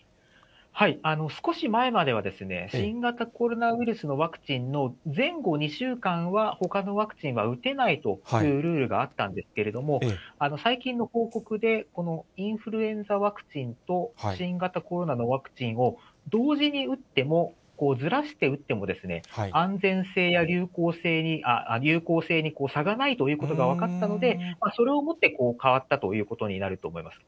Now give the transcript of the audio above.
少し前までは、新型コロナウイルスのワクチンの前後２週間は、ほかのワクチンは打てないというルールがあったんですけれども、最近の報告で、このインフルエンザワクチンと新型コロナのワクチンを同時に打っても、ずらして打っても、安全性や流行性に差がないということが分かったので、それをもって変わったということになると思います。